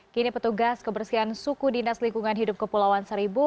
kini petugas kebersihan suku dinas lingkungan hidup kepulauan seribu